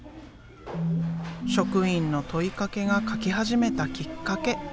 職員の問いかけが描き始めたきっかけ。